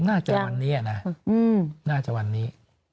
น่าจะวันนี้นะน่าจะวันนี้